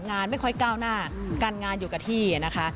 งานไม่ค่อยก้าวหน้าการงานอยู่กับที่นะคะ